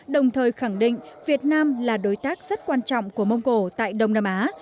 đồng thời khẳng định việt nam là đối tác rất quan trọng của mông cổ tại đông nam á